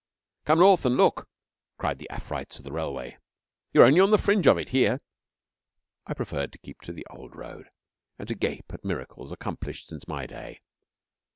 'Come north and look!' cried the Afrites of the Railway. 'You're only on the fringe of it here.' I preferred to keep the old road, and to gape at miracles accomplished since my day.